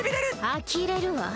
あきれるわ。